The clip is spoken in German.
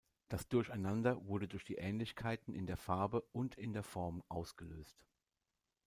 Das Durcheinander wurde durch die Ähnlichkeiten in der Farbe und in der Form ausgelöst.